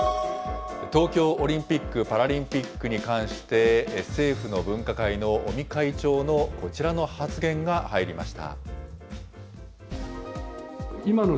東京オリンピック・パラリンピックに関して、政府の分科会の尾身会長のこちらの発言が入りました。